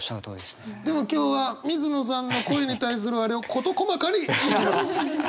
でも今日は水野さんの恋に対するあれを事細かに聞きます。